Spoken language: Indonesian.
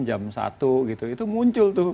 jam satu gitu itu muncul tuh